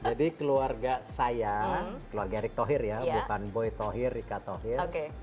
jadi keluarga saya keluarga erik toher ya bukan boy toher rika toher